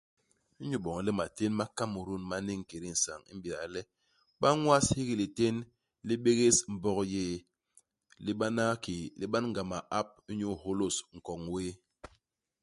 Inyu iboñ le matén ma Kamerun ma niñ i kédé nsañ, i m'béda le ba ñwas hiki litén li bégés Mbog yéé. Li bana ki li ban-ga ma-ap inyu ihôlôs nkoñ wéé.